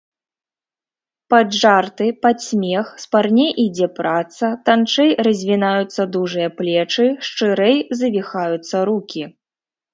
Пад жарты, пад смех спарней ідзе праца, танчэй развінаюцца дужыя плечы, шчырэй завіхаюцца рукі.